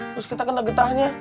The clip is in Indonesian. terus kita kena getahnya